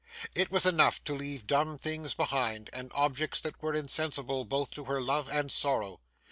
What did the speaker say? It was enough to leave dumb things behind, and objects that were insensible both to her love and sorrow.